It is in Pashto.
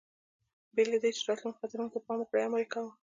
بې له دې، چې راتلونکو خطرونو ته پام وکړي، امر یې کاوه.